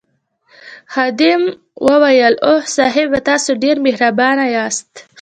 خادم وویل اوه صاحبه تاسي ډېر مهربان یاست.